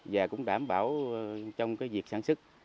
và cũng đảm bảo trong cái việc sản xuất